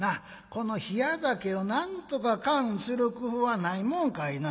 この冷や酒をなんとか燗する工夫はないもんかいなあ」。